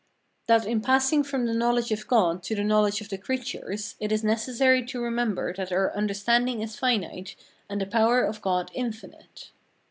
That in passing from the knowledge of God to the knowledge of the creatures, it is necessary to remember that our understanding is finite, and the power of God infinite.